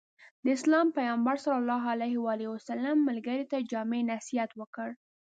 د اسلام پيغمبر ص ملګري ته جامع نصيحت وکړ.